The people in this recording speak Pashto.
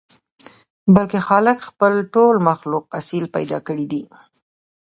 بلکې خالق خپل ټول مخلوق اصيل پيدا کړي دي.